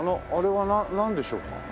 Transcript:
あれはなんでしょうか？